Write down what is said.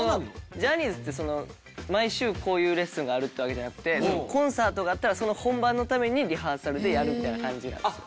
ジャニーズってその毎週こういうレッスンがあるってわけじゃなくてコンサートがあったらその本番のためにリハーサルでやるみたいな感じなんですよ。